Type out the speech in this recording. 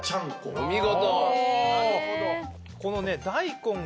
お見事！